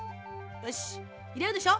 よしっいれるでしょ。